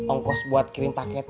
ongkos buat kirim paketnya